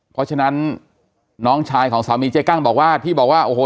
เพราะฉะนั้นน้องชายของสามีเจ๊กั้งบอกว่าที่บอกว่าโอ้โห